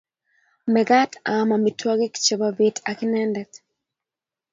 Magat aam amitwogik Che bo bet ak inendet.